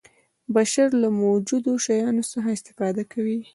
بشر له موجودو شیانو څخه استفاده کوي.